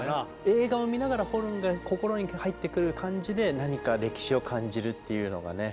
映画を見ながらホルンが心に入ってくる感じで何か歴史を感じるっていうのがね。